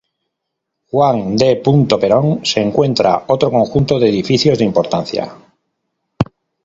Juan D. Perón se encuentra otro conjunto de edificios de importancia.